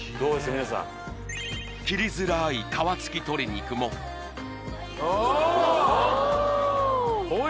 皆さん切りづらい皮付き鶏肉もおおおい